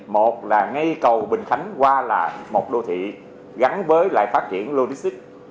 một là ngay cầu bình khánh qua là một đô thị gắn với lại phát triển lô đích xích